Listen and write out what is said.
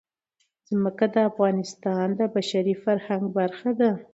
ځمکه د افغانستان د بشري فرهنګ برخه ده.